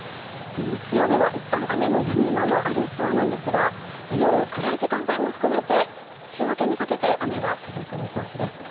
日曜日は、いったん雨のやみ間もありそうですが夜、暗い時間帯も含めて週明けにかけて雨が続く見通しです。